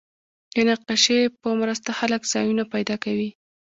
د نقشې په مرسته خلک ځایونه پیدا کوي.